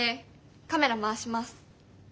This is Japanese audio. カメラ回します。